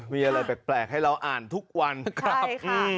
มีอะไรแปลกให้เราอ่านทุกวันครับ